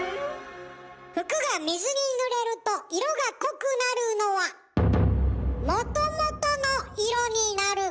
服が水にぬれると色が濃くなるのはもともとの色になるから。